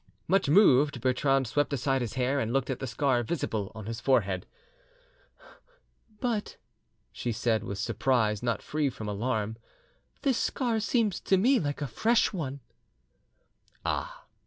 Much moved, Bertrande swept aside his hair, and looked at the scar visible on his forehead. "But," she said, with surprise not free from alarm, "this scar seems to me like a fresh one." "Ah!"